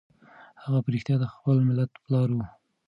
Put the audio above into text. هغه په رښتیا د خپل ملت پلار و.